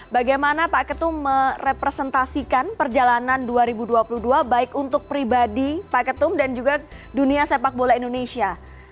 bagaimana pak ketum merepresentasikan perjalanan dua ribu dua puluh dua baik untuk pribadi pak ketum dan juga dunia sepak bola indonesia